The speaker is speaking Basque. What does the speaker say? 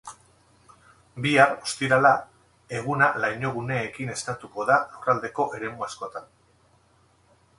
Bihar, ostirala, eguna lainoguneekin esnatuko da lurraldeko eremu askotan.